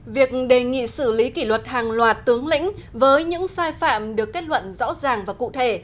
việc đề nghị xử lý kỷ luật hàng loạt tướng lĩnh với những sai phạm được kết luận rõ ràng và cụ thể